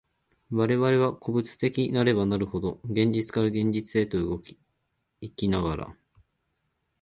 我々は個物的なればなるほど、現実から現実へと動き行きながら、